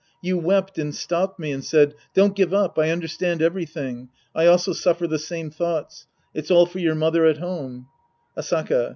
You wept and stopped me and said, " Don't give up. I understand everything. I also suffer the same thoughts. It's all for your mother at home." Asaka.